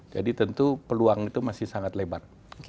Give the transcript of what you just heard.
jadi tentu peluang itu masih sangat lebar